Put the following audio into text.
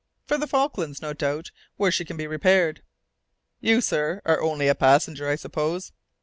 "For the Falklands, no doubt, where she can be repaired." "You, sir, are only a passenger, I suppose?"